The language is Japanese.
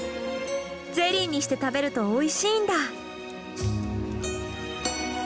ゼリーにして食べるとおいしいんだ。